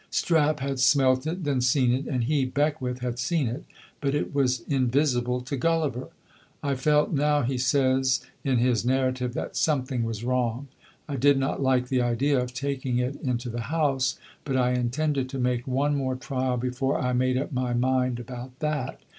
Strap had smelt it, then seen it, and he, Beckwith, had seen it; but it was invisible to Gulliver. "I felt now," he says in his narrative, "that something was wrong. I did not like the idea of taking it into the house; but I intended to make one more trial before I made up my mind about that.